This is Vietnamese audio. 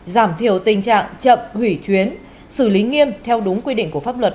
giảm thiểu tình trạng chậm hủy chuyến xử lý nghiêm theo đúng quy định của pháp luật